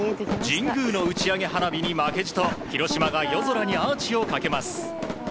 神宮の打ち上げ花火に負けじと広島が夜空にアーチをかけます。